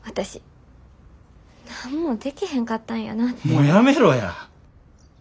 もうやめろや！